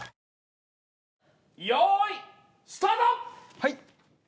はい。